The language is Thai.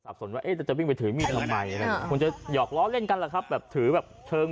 หนูว่าเดิมไปตู้เย็นหนูว่าจะไปถือมีด